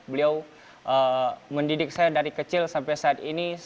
beliau mendidik saya dari kecil sampai saat ini